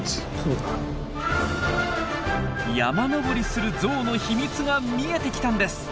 山登りするゾウの秘密が見えてきたんです。